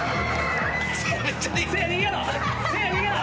せいや逃げろ。